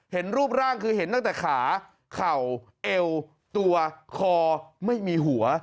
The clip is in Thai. เห็นรูปร่างคือเห็นตั้งแต่ขาเข่าเอวตัวคอไม่มีหัว